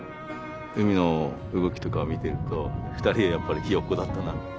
海での動きとかを見てると２人はやっぱりひよっこだったな。